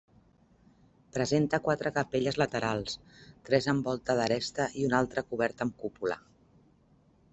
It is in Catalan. Presenta quatre capelles laterals, tres amb volta d'aresta i una altra coberta amb cúpula.